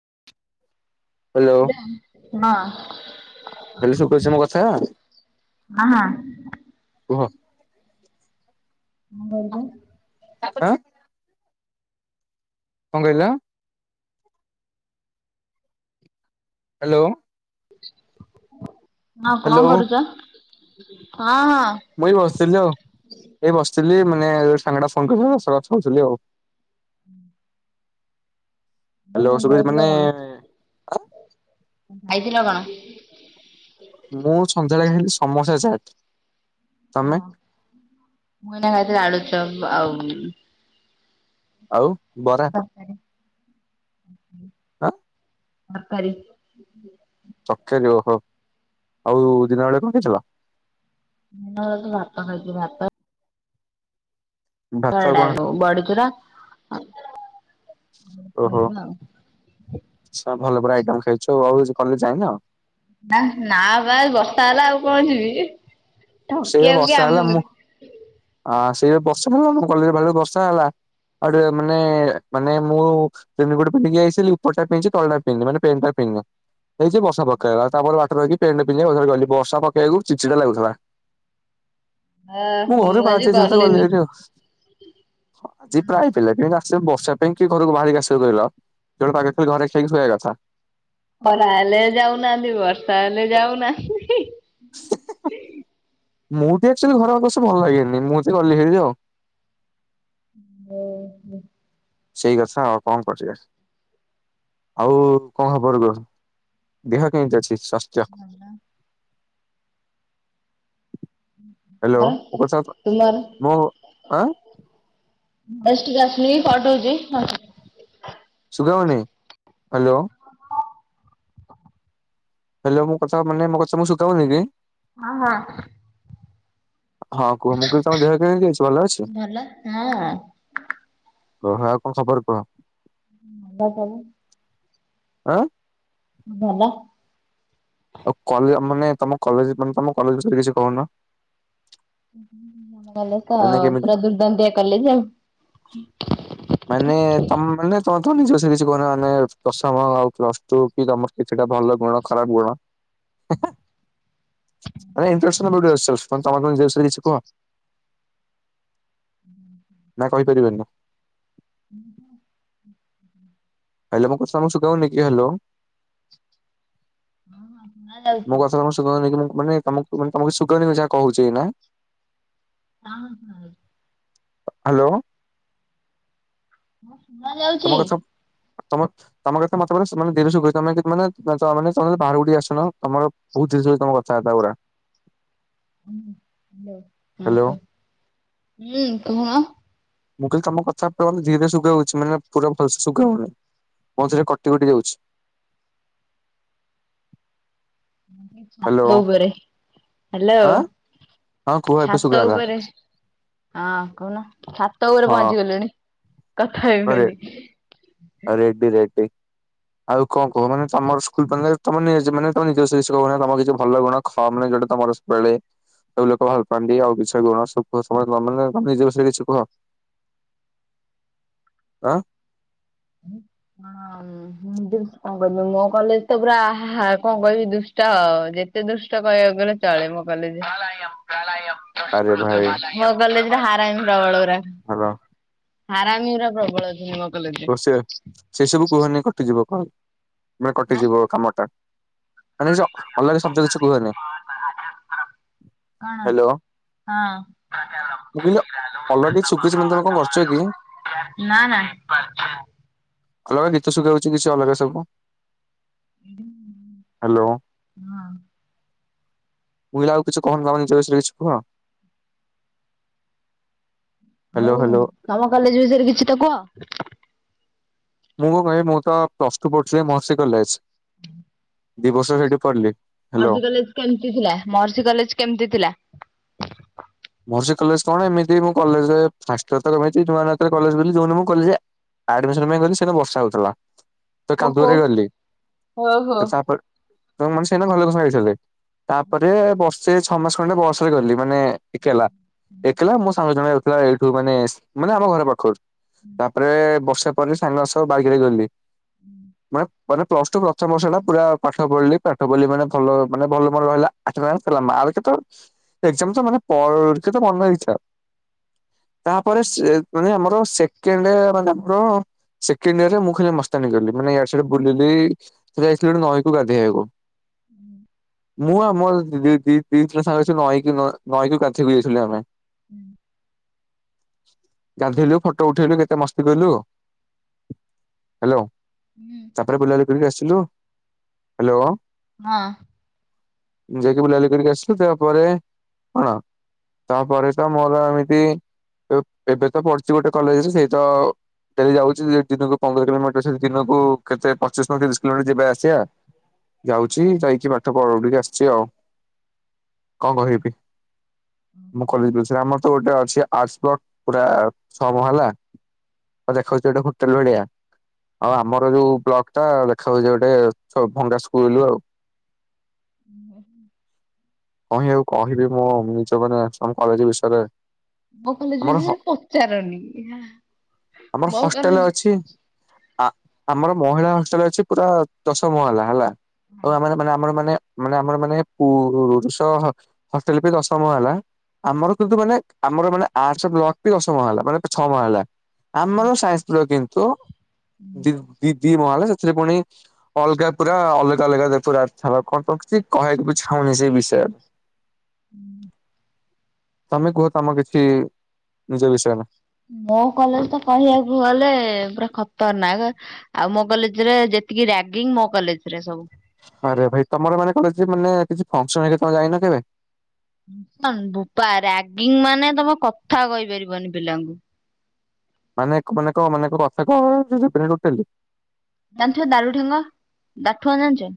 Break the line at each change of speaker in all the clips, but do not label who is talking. [unintelligible] ହଁ।
ହେଲେ [unintelligible] ମୋ କଥା ।
ହଁ ହଁ। ହଁ ବଛ।
ଅ। କଣ କହିଲ। ହାଲୋ।
[unintelligible] ହଁ କଣ କରୁଛ। ହଅକ୍।
ମୁଇଁ ବି ବସିଥିଲି ଆଉ ଏଇ ବସିଚି। ଲି ମାନେ ସାଙ୍ଗଟା ଫୋନକରିଥିଲି ଶୁଣୁଥିଲି ଆଉ।
ହୁଁ।
ହାଲୋ ସୁବରେ ମାନେ।
ଆାଇଥିଲ କଣ? [inaudible]
ମୁଁ ସନ୍ଧ୍ୟାବେଳେ ଖାଇ ସମସା ଚାଟ୍।
ହଁ ଆଇନା ଖାଇଥିଲି ଆଳୁ [unintelligible] ଆଉ
ଆଉ ବରା
[unintelligible]
ହଁ।
ତରକାରୀ।
ତରକାରୀ ଓହୋ। ଆଉ ଦିନ ବେଳେ କଣ? [unintelligible]
[unintelligible] ଭାତ [unintelligible] ଭାତ
ଭାତ ଆଉ କଣ
[unintelligible] ବଡିଚୁରା। [unintelligible]
ଓହୋ
ଆଉ।
[inaudible] ଭଲ ପୁରା ଆଇଟମ ଖାଇଛ, ଆଉ [unintelligible] ଯାଇନ?
ନା ବା ବର୍ଷା ହେଲା ଆଉ କଣ ଯିବି।
ସେ
ଠକିବାକୁ କିଏ
ବର୍ଷା ହେଲା
ଆମକୁ
ମୁଁ ଆସ ସେଇ [unintelligible] କଲେଜରେ ଭଲ ବର୍ଷା ହେଲା ଆଉ ଟିକେ ମାନେ ମାନେ ମୁଁ ରେନିକୋଟ ପିନ୍ଧିକି ଆଇସିଲି ଉପରଟା ପିଧିଛି ତଳେଟା ପିନ୍ଧିନି ମାନେ ପେନ୍ଟା ପିନ୍ଧିନି ହେଇଛି ବର୍ଷା ପକେଇଲା ତାପରେ ବାଟରେ ରହିକି ପନ୍ଟା ପିନ୍ଧିକି [unintelligible] ବର୍ଷା ପକେଇବାକୁ ଚିଡଚିଡ଼ା ଲାଗୁଥିଲା।
ଆ
ମୁଁ ଘରୁ ବାହାର
ଆଜି
ଯାଇଥିଲି ତ
ଗଲିନି।
ଗଲିଭରି ଆଉ ଆଜି ପ୍ରାୟ ପିଲାଟି ହେଲା। ସେ ବର୍ଷା ପାଇଁ କି ଘରକୁ ବାହାରିକି ଆସିବା କହ ଯୋଉ ପାଗ ଖ ଘରେ ଖାଇକି ଖୁଆବା କଥା।
[unintelligible] ଯାଉ ନାହାନ୍ତି ବର୍ଷା ହେଲେ ଯାଉ ନାହାନ୍ତି।
ମୁଁ [unintelligible] ଘର ସ ଭଲ ଲାଗେନି ମୁଁ ତ ଗଲି ହେ ଆଉ।
ହଁ ହ।
ସେଇ କଥା ଆଉ କଣ କର ଆଉ କଣ ହବର ଗୋହ ଦେହ କେମିତି ଅଛି। ସ୍ୱାସ୍ଥ୍ୟ
ହ।
ହ୍ୟାଲୋ
ଭଲ।
ସ
ତୁମର?
ମୁଁ ଆ
[unintelligible] ହଉଛି
ସୁଗୌନି ହ୍ୟାଲୋ ହେଲୋ ମୁଁ କଥା ମାନେ ମୋ କଥା ମୁଁ ଶୁଖାଉନି କି
ହଁ ହଁ
ହଁ କୁହ ମୁକିଲି ତମ ଦେହ କେମିତି ଦହ ଭଲ ଅଛି କହ ଆଉ କଣ ଖବର କୁହ
ଭଲ ସବୁ
ଆଁ
ହ ଭଲା
ଆଉ କଲେ ମାନେ ତମ କଲେ ମାନେ ତମ କଲେଜ ବିଷରେ କିଛି କହୁନ
ହୁଁ ହେଲେ ତ
ମାନେ କେମିତି
ପୁରା ଦୁର୍ଦନ୍ଦଆ କଲେ ଯଉ
ମାନେ ତମ ମାନେ ତମେ ତ ନିଜ ବିଷରେ କିଛି କୁହନ ମାନେ ଆ ଟର କିଛିଟା ଭଲ ଗୁଣ ଖରାପ ଗୁଣ ତମ ନିଜଷୟରେ କିଛି କୁହ ନା କହିପାରିବେନି
ହୁଁ
ହ୍ୟାଲୋ ମୁଁ କ [unintelligible] କିି ହ୍ୟାଲୋ
ଶୁଣା ଯାଉଛି
[unintelligible] ମାନେ ତମକୁନା ତମକୁ ସୁଗନ ଯାହା କହୁଛି ନା
ହଁ ହ
ହ୍ୟାଲୋ
ହଁ କ ଯାଉଛି
ତମ ତମ କେତେ ମତେ ଧରେ ସୁଖ ତମେେ ମାନେ ତେ ତେ ବାହାରୁ ଉଠି ଆସୁନ ତମର ବହୁତ ଧୀରେ ସୁଖ ତମ କଥା ହେତା ଗୁୁରା
ହ ହଲୋ ହଁ କ ହୁଁ କୁହୁଣ
ମୁଁ କହିଲି ତମ କଥା ଧୀରେ ଧୀରେ ଶୁଗା ହଉଛି ମାନେ ପୁରା ଭଲସ ଶୁଖା ହଉନହିଁ ମ ଧରେ କଟି କଟି ଯାଉଛି ହ୍ୟାଲୋ
ଦଉ ଘରେ ହ୍ୟାଲୋ
ଆଁ ହଁ କୁହ ଏବେ
ଛାତ
ଶୁଗାଗଲା
ଉପରେ ହଁ କହୁନ ଛାତ ଉପରେ
ହଁ
ପହଞ୍ଚି ଗଲୁଣି କଥା ହେବି ବୋଲି
ରେଡ୍ଡୀ ରେଡ୍ଡି ଆଉ କଣ କୋହୁନ ମାନେ ତମ ସ୍କୁଲକଲେଜ ତମେ ତମେ ମାନେ ତମ ନିଜଷୟରେ କି କହୁନ ତମ କିଛି ଭଲ ଗୁଣ ଖ ମାନେ ଯୋଉଟା ତମର ସବୁବେଳେ ସବୁ ଲୋକ ଭଲ ପାଆନ୍ତି ଆଉ କିଛି ଗୁଣ [unintelligible] ତମେ ନିଜଷୟରେ କିଛି କୁହ ଆ
କହିବି ମୋ କଲେଜ ତ ପୁରା କଣ କହିବି ଦୁଷ୍ଟ ଆହା ଯେତେ ଦୁଷ୍ଟ କହିବାକୁ ଗଲେ ଚଳେ ମୋ କଲେଜ।
ଆରେ
ମୋ କଲେଜେ [unintelligible]
ହାଲୋ
ହାରାମିହୁରା ପ୍ରବଳ ଅଛନ୍ତି ମୋ କଲେଜେରେ
କୁହ,
।
ସେ ସେସବୁ କୁହନି କଟିଯିବ କଲ।
ଆଁ
କଟିଯିବ କାମ ଟା। [unintelligible] ଅଲଗା ଶବ୍ଦ କିଛି ହୁହନି
କଣ
ହ୍ୟାଲୋ
ହଁ।
ମୁଁ କହିଲି [unintelligible] ତମେ କଣ କରୁଛ କି?
ନା ନା
ଅଲଗା ଗୀତ ଶୁଭଛି କିଛି ଅଲଗା ସବୁ। ହ୍ୟାଲୋ? ମୋ [unintelligible] ତମ ଚଏସ କିଛି କୁହ? ହ୍ୟାଲୋ
ହଉ
ହ୍ୟାଲୋ
ତମ କଲେଜ ବିଷୟରେ କିଛି ତ କୁହ? [inaudible]
ମୁଁ କଣ ଭାଇ ମୁଁ ତ ପ୍ଲସ ଟୁ ପଢଛି ମହର୍ଷି କଲେଜ।
ହଁ।
ଦି ବର୍ଷ ସେଇଠି ପଢିଲି। ହ୍ୟାଲୋ
ମହର୍ଷି କଲେଜ କେମତି ଥିଲା ମହର୍ଷି କଲେଜ କେମତି ଥିଲା?
ମୋର ସେ କଲେଜ କଣ ଏମିତି ମୁଁ କଲେଜ ରେ ଫାର୍ଷ୍ଟ ଫାଷ୍ଟ ରହିଛି ନୂଆ ନୂଆ ମୁ କଲେଜ ଗଲି ଯୋଉଦିନ ମୁ କଲେଜ ଆଡମିଶନ୍ ଗଲି ସେ ଦିନ ବର୍ଷା ହଉଥିଲା। ତ
ଓହୋ
କାଦୁଅରେ ଗଲି
ଓହୋ
ତ
ହୁଁ
ତାପ [unintelligible] ତାପରେ ବ ସେ ଛଅ ମାସ ଖଣ୍ଡେ ବସ ରେ ଗଲି ମାନେ ଏକେଲା ଏକଲା ମୋ ସାଙ୍ଗ ଜଣେ ଥିଲା ଏଇଠୁ ମାନେ ମାନେ ଆମ ଘର ପାଖରୁ। ତାପରେ ବର୍ଷା ପରେ ସାଙ୍ଗସହ ସବୁ ବାଇକ ରେ ଗଲି। [unintelligible] ମାନେ ପ୍ଲସ ଟୁ ପ୍ରଥମ ବର୍ଷ ଟା ପୁରା ପାଠ ପଢିଲି ପାଠ ପଢି ମାନେ ଭଲ ମାନେ ଭଲ ଅଟନସ ରହିଲା ମାର୍କେ ତ ମାନେ [unintelligible] ତ ମନ ଇଛା ତାପରେ ସେ ମାନେ ଆମର ସେକେଣ୍ଡ ମାନେ ଆମର ସେକଣ୍ଡୟାରରେ ମୁଁ ଖାଲି ମସ୍ତାନୀ କଲିି ମାନେ ୟେଡେସେଡେ ବୁଲିଲି ସେଥି ଯାଇଥିଲି ନଈକୁ ଗାଧେଇବାକୁ
ହୁଁ।
ମୁଁ ଆମରି ଦି-ଦି ଜଣ ସାଙ୍ଗ ନଇକି ନଈ କୁ ଗାଧେଇବାକୁ ଯାଇଥିଲୁ ଆମେ।
ହୁଁ।
ଗାଧେଇଲୁ ଫଟୋ ଉଠେଇଲୁ କେତେ ମସ୍ତି କଲୁ ଆଉ ହ୍ୟେଲୋ ତାପରେ ବୁଲାବୁଲି କରିକି ଆସିଲୁ। ହ୍ୟାଲୋ
ହଁ
ଯାଇକି ବୁଲାବୁଲି କରିକି ଆସିଲୁ ତାପରେ କଣ ତାପରେ ତ ମୋର ଏମିତି ଏବେ ତ ପଢୁଛି ଗୋଟେ କଲେଜରେ ସେଇ ତ ଡେଲି ଯାଉଛି ଦିନକୁ ପନ୍ଦର କିଲୋମିଟର ସେ ଦିନକୁ କେତେ ପଚିଶ ନ ତିରିଶ କିଲୋମିଟର ଯିବା ଆସିବା ଯାଉଛି ଯାଇକି ପାଠ ପଢିକି ଆସିଛି। [unintelligible] କଣ କହିବି ମୁଁ
ଏଇ
କଲେଜ ଆମର ତ ଗୋଟେ ଅଛି ଆଡ଼ସ୍ ବ୍ଲକ ପୁରା ସମ ହେଲା ଆ ଦେଖାଉଛି ଗୋଟେ ହୋଟେଲ ଭଡିଆ ଆଉ ଆମର ଯୋଉ ବ୍ଲକ ଟା ଦେଖା ହଉଛି ଗୋଟେ ଭଙ୍ଗା ସ୍କୁଲୁ ଆଉ
ହଁ
କଣ ଆଉ କହିବି ମୁଁ ନିଜ ମାନେ ଆମ କଲେଜ ବିଷୟରେ
ମୋ କଲେଜ
ଆମର
ବିଷୟରେ ପଚାରନି
ଆମର
ମୋ
ହଷ୍ଟେଲ
କଲେଜ
ଅଛି ଆ ଆମର ମହିଳା ହଷ୍ଟେଲ ଅଛି ପୁରା ଦଶ ମହଲା ହେଲା ଆଉ ଆମ ମାନେ ଆମର ମାନେ ମାନେ ଆମର ମାନେ ପୁରୁଷ ହୋଟେଲ ବି ଦଶମହଲା ଆମର କିନ୍ତୁ ମାନେ ଆମର ମାନେ ଆଡସ୍ ବ୍ଳକ୍ ବି ଦଶମହଲା ହେଲା ମାନେ ଛଅ ମହଲା ହେଲା ଆମର ସାଇନ୍ସ ବ୍ଳକ୍ ଇ ତ ଦି ଦି ମହଲା ସେଥିରେ ପୁଣି ଅଲଗା ପୁରା ଅଲଗା ଅଲଗା ପୁରା କଣ କଣ କିଛି କହିବାକୁ ବି ଇଚ୍ଛା ହଉନି ସେଇ ବିଷୟରେ
ହୁଁ
ତମେ କୁହ ତମ କିଛି ନିଜ ବିଷୟରେ
ମୋ କଲେଜ ତ କହିବାକୁ ଗଲେ ପୁରା ଖତରନାକ ଆଉ ମୋ କଲେଜରେ ଯେତିକି ରାଗିଙ୍ଗ୍ ମୋ କଲେଜରେ ସବୁ
ଆରେ ଭାଇ ତମର ମାନେ କଣ ମାନେ କିଛି ଫଙ୍ଗସନ ହେଲେ ଯାଇନ କେ
ଫଙ୍ଗସନ ବୋପା ରାଗିଙ୍ଗ ମାନେ ତମେ କଥା କହିପାରିବନି ପିଲାଙ୍କୁ
ମାନେ କଣ ମାନେ କଣ ମାନେ କଥା କହିପାରିବିନି ଟୋଟଲି
ଜାଣିଥିବ ଦାରୁ ଠେଙ୍ଗା ଦାଠୁଆ ଜଣିଛନ୍ତି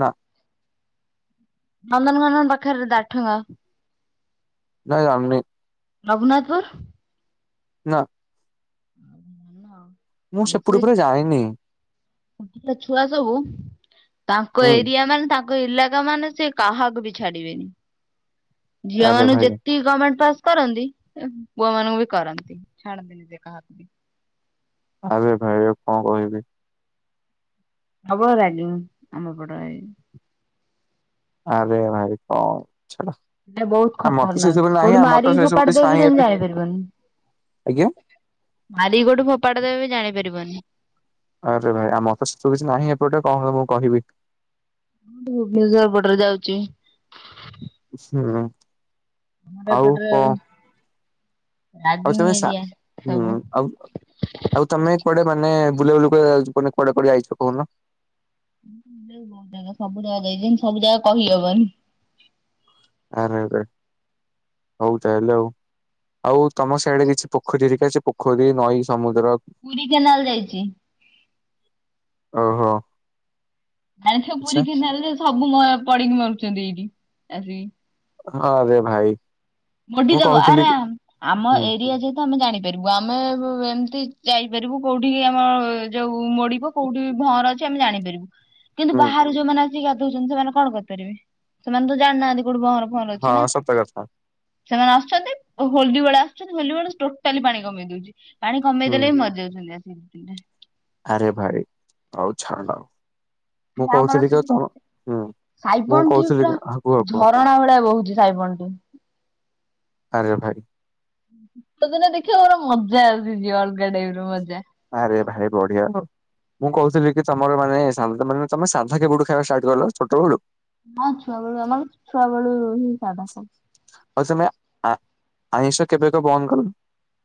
ନା
ନନ୍ଦନକାନନ ପାଖରେ ଦାଠଙ୍ଗା
ନାଇଁ ଆମେ
ରଘୁନାଥପୁର
ନା
ଆ ନା
ମୁଁ ସେପଟ ଉପରେ ଯାଇନି
ଛୁଆ ସବୁ ତାଙ୍କ
ହୁଁ
ଏରିଆ ମାନେ ତାଙ୍କ ଇଲାକା ମାନେ ସେ କାହାକୁ ବି ଛାଡିବେନି ଝିଅ
ଆରେ
ମାନଙ୍କୁ
ଭାଇ
ଯେତିକି କମେଣ୍ଟ ପାସ୍ କରନ୍ତି ପୁଅ ମାନଙ୍କୁ ବି କରନ୍ତି ଛାଡନ୍ତିନି ସେ କାହାକୁ ବି
ଆବେ ଭାଇ ଆଉ କଣ କହିବି।
ହବ ଲାଗି। [unintelligible] [inaudible]
ଆରେ ଭାଇ କ। [unintelligible]
ଏଇଟ ବହୁତ ଖତରନାକ
ନାହିଁ
କୋଉଠି
ଆମର ତ
ମାରିକି
ସେ ସବୁ
ଫୋପାଡି
କିଛି
ଦେବ
ନାହିଁ
[unintelligible]
ଏବେ
ଜାଣିପାରିବନି
ଆଜ୍ଞା
ମାରିକି କୋଉଠି ଫୋପାଡି ଦେବେ ବି ଜାଣିପାରିବନି।
ଆରେ ଭାଇ ଆମର [unintelligible] କିଛି ନାହିଁ ଏପଟେ କଣ ମୁଁ କହିବି।
ଭୁବନେଶର [unintelligible] ଯାଉଛି।
[unintelligible]
ଆମର
ଆଉ
ଏପଟରେ
କହ ଆଉ
ରାଗିଂ
ତମେ [unintelligible]
ଏରିଆ
ହୁଁ
ସବୁ।
ଆଉ ଆଉ ତମେ। କୁଆଡେ ମାନେ [unintelligible] କୁଆଡେ ଯାଇଛି ମାନେ କୁଆଡେ କୁଆଡେ ଯାଇଛ କହୁନ।
ବହୁତ ଜାଗା ସବୁ ଜାଗା ଯାଇଛନ୍ତି ସବୁ ଜାଗା କହିହବନି।
ଆରେ ଆରେ ହଉ ତାହେଲେ ଆଉ ଆଉ ତମର ସାଇଡ଼େ କିଛି ପୋଖରୀ ହରିକା ଅଛି ପୋଖରୀ ନଈ ସମୁ ।
ପୁରୀ କେନାଲ ଯାଇଛି।
ଓହୋ।
ଜାଣିଛ, ପୁରୀ
ଆଚ୍ଛା
କେନାଲ୍‌ରେ ସବୁ ମ ପଡ଼ି କି ମରୁଛନ୍ତି ଏଇଠି। ଆରେ।
ଆରେ ଭାଇ।
[unintelligible]
ମୁଁ କହୁଥିଲି କି-
ଆମ
ହୁଁ
ଏରିଆ ଯେହେତୁ ଆମେ ଜାଣିପାରିବୁ ଆମେ ଏମତି। ଯାଇପାରିବୁ କୋଉଠି ଆମ ଯୋଉ ମୋଡିିକ କୋଉଠି ଭଁର ଅଛି ଆମେ ଜାଣିପାରିବୁ କିନ୍ତୁ
ହୁଁ
ବାହାରୁ ଯୋଉମାନେ ଆିକ ଗାଧଉଛନ୍ତି ସେମାନେ କଣ କରିପାରିବେ ସେମାନେ ତ ଜାଣିନାହାନ୍ତି। କୋଉଠି ଭଅଁର ଫଅଁର ଅଛି ନା
ହଁ ସତ କଥା।
ସେମାନେ ଆସୁଛନ୍ତି ହୋଲି ବେଳେ ଆସୁଛନ୍ତି ହୋଲି ବେଳେ ଟୋଟାଲି ପାଣି କମେଇ ଦଉଛି। ପାଣି କମେଇ
ହୁଁ
ଦେଲେ ହିଁ ମରିଯାଉଛନ୍ତି ଆ। [inaudible]
ଆରେ ଭାଇ ଆଉ ଛାଡ। ମୁଁ
ଆମର
କହୁଥିଲି କି ତମ ହୁଁ
[inaudible]
ମୁଁ
ସାଇବନ୍
କହୁଥିଲି କି ହଁ କୁହ
[inaudible]
କୁହ
ଝରଣା ଭଳିଆ ବହୁଛି ସାଇବନ୍ ଟି।
ଆରେ ଭାଇ।
ଶୀତଦିନେ ଦେଖିବା ଗୋଟେ ମଜା ଆସିଯିବ ଅଲଗା ଟାଇପ୍‌ର ମଜା।
ଆରେ ଭାଇ ବଢିଆ ମୁଁ କହୁଥିଲି କି ତମର ମାନେ ସାନ୍ତ ମାନେ ତମେ ସାନ୍ଧା କେବେଠୁ ଖାଇବା ଷ୍ଟାର୍ଟ କଲ ଛୋଟ ବେଳୁ।
ହଁ ଛୁଆ ବେଳୁ ଆମର ଛୁଆବେେଳୁ ର ହିଁ। [inaudible]
ଆଉ ତମେ ଆ ଆମିଷ କେବେଠୁ ବନ୍ଦ କଲ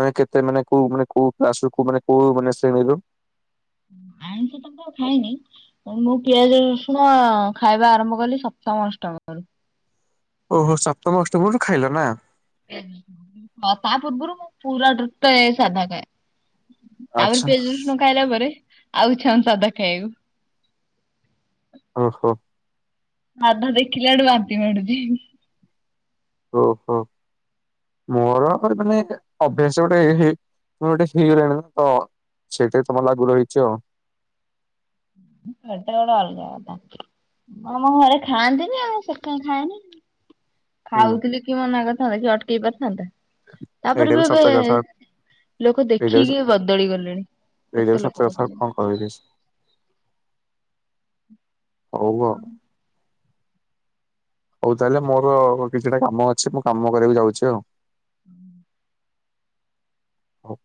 ‌ମାନେ କେତେ ମାନେ କୋଉ କୋଉ ମାନେ କୋଉ କ୍ଲାସ୍‌ରୁ ମାନେ କେଉଁ ମାନେ ଶ୍ରେଣୀରୁ।
ଆମିଷ ତକ ଖାଏନି, ମୁଁ ପିଆଜ ରସୁଣ ଖାଇବା ଆରମ୍ଭ କଲି ସପ୍ତମ ଅଷ୍ଟମରୁ।
ଓହୋ ସପ୍ତମ ଅଷ୍ଟମରୁ ଖାଇଲ ନା।
ତା ପର୍ବରୁ ମୁଁ ପୁରା ଟୃତ ସାଧା ଖାଏ
ଆଚ୍ଛା
। [unintelligible] ଆଉଛନ୍ ସାଧା ଖାଇକୁ।
ଓହୋ।
ଆଧା ଦେଖିିଲ ଆଡୁ ବାନ୍ତି ମଡୁଛି।
ଓହୋ ମୋର ଆ ମାନେ ଅଭ୍ୟାସ ଗୋଟେ ହେଇ ମୋର ଗୋଟେ ହେଇଗଳାଣି ତ ସେଇଟା ତମକୁ ଲାଗୁ ରହିଛି ଆଉ।
ଏଇଟା ଗୋଟେ ଅଲଗା କଥା, ଆମ ଘରେ ଖାଆନ୍ତିନି ଆଉ ସେଥିପାଇଁ ଖାଏନି।
ହୁଁ
ଖାଉଥିଲି କିଏ ମନା କରି। [unintelligible] ତାପରେ
ଏଇଟା
ବି ଏବେ
ସତ କଥା
ଲୋକ
ଏଇଟା ବି
ଦେଖିକି ବଦଳି ଗଲେଣି
ଏଇଟା ବି
କେତେ
ସତ
ଲୋକ
କଥା କଣ କହିବି
ବଦଳିଗଲେ।
ହଉ ଆଉ । ହଉ ତାହେଲେ ମୋର କିଛିଟା କାମ ଅଛି ମୁଁ କାମ କରିବାକୁ ଯାଉଛି ଆଉ।
[inaudible]
ହଁ।